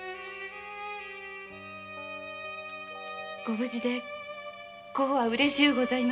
ご無事で「こう」はうれしゅうございます。